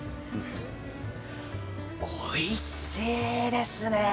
おいしいですね。